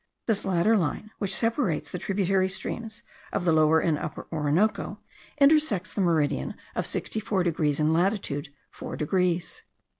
This latter line, which separates the tributary streams of the Lower and Upper Orinoco, intersects the meridian of 64 degrees in latitude 4 degrees.